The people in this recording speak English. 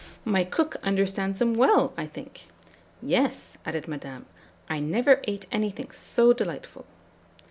"'My cook understands them well, I think.' "'Yes,' added Madame, 'I never ate anything so delightful.'"